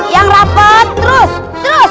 yang rapet terus terus